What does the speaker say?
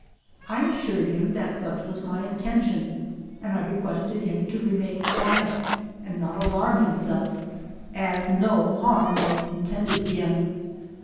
I assured him that such was my intention, and I requested him to remain quiet, and not alarm himself, as no harm was intended him.